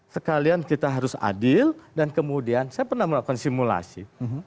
sekalian kita harus adil dan kemudian saya pernah melakukan simulasi